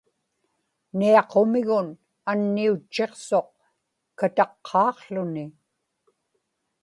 niaqumigun anniutchiqsuq kataqqaaqłuni